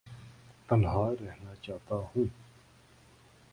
تنہا رہنا چاہتا ہوں